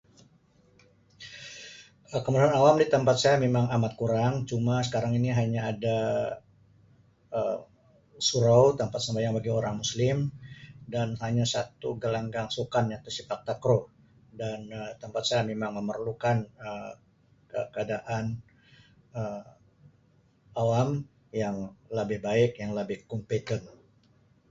Kemudahan awam di tempat saya memang agak kurang cuma sekarang ini hanya ada Um surau tampat sembahyang bagi orang muslim dan hanya satu gelanggang sukan iaitu sepak takraw dan Um tempat saya memamang memerlukan Um keadaaan Um awam yang lebih yang lebih competent.